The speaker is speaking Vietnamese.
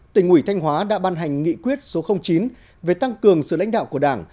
tỉnh ủy thanh hóa đã ban hành nghị quyết số chín về tăng cường sự lãnh đạo của đảng